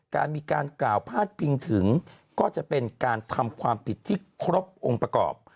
การมีการกล่าวพาดพิงถึงก็จะเป็นการทำความผิดที่ครบองค์ประกอบ